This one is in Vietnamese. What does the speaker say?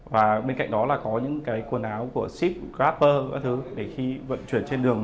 và bên cạnh đó là có những cái quần áo của ship grapper các thứ để khi vận chuyển trên đường